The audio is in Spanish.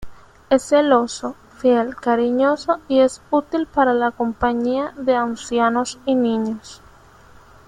Es celoso, fiel, cariñoso y es útil para la compañía de ancianos y niños.